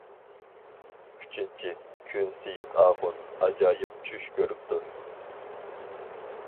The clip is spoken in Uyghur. ئۈچىنچى كۈن سېيىت ئاخۇن، ئاجايىپ چۈش كۆرۈپتۇ.